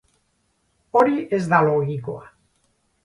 Hori ez da logikoa.